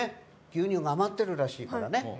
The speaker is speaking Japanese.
牛乳が余ってるらしいからね。